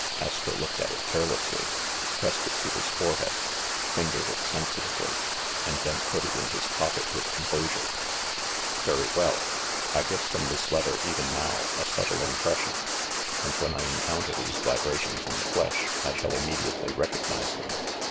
Astro looked at it carelessly, pressed it to his fore head, fingered it sensitively, and then put it in his pocket with composure. "Very well. I get from this letter, even now, a subtle impression, and when I en counter these vibrations in the flesh I shall immediately recognize them.